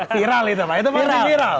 viral itu pak itu viral